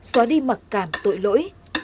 hoặc cảm tội lỗi